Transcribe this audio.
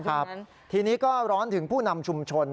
ครับทีนี้ก็ร้อนถึงผู้นำชุมชน